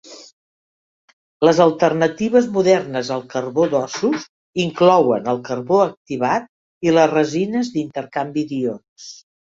Les alternatives modernes al carbó d'ossos inclouen el carbó activat i les resines d'intercanvi d'ions.